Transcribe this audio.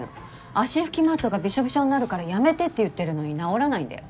足拭きマットがビショビショになるからやめてって言ってるのに直らないんだよ。